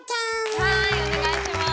はいお願いします。